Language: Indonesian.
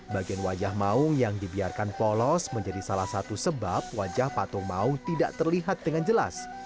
bagian wajah maung yang dibiarkan polos menjadi salah satu sebab wajah patung maung tidak terlihat dengan jelas